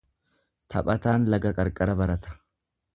Taphataan laga qarqara barata.